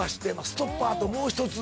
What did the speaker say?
ストッパーともう１つ。